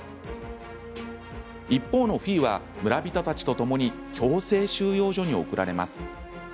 一方のフィーは村人たちとともに強制収容所に送られます。